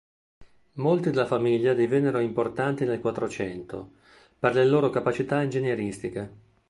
Molti della famiglia divennero importanti nel Quattrocento per le loro capacità ingegneristiche.